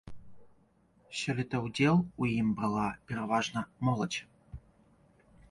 Сёлета ўдзел у ім брала пераважна моладзь.